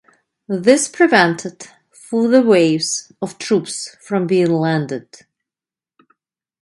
This prevented further waves of troops from being landed.